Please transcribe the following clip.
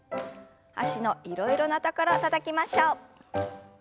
脚のいろいろなところたたきましょう。